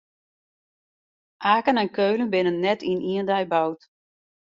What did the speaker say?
Aken en Keulen binne net yn ien dei boud.